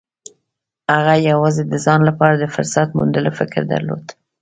هغه يوازې د ځان لپاره د فرصت موندلو فکر درلود.